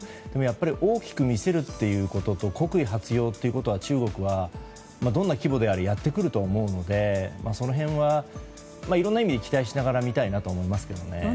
でもやっぱり大きく見せるということと国威発揚ということは中国は、どんな規模であれやってくると思うのでその辺は、いろんな意味で期待しながら見たいなと思いますけどね。